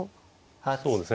そうですね。